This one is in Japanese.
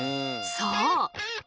そう！